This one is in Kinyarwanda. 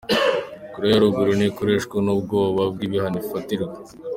Koreya ya ruguru "ntikoreshwa n'ubwoba bw'ibihano ifatirwa".